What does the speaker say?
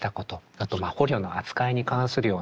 あと捕虜の扱いに関するようなこと。